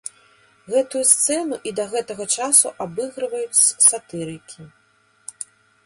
Гэтую сцэну і да гэтага часу абыгрываюць сатырыкі.